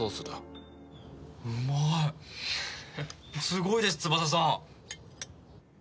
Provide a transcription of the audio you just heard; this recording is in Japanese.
すごいです翼さん！